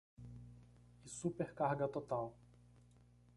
E super carga total